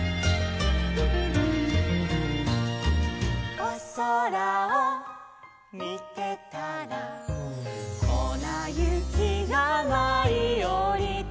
「おそらをみてたらこなゆきがまいおりた」